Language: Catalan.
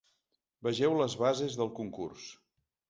Vegeu les bases del concurs.